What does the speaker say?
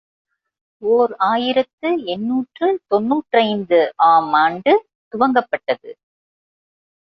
ஓர் ஆயிரத்து எண்ணூற்று தொன்னூற்றைந்து ஆம் ஆண்டு துவக்கப்பட்டது.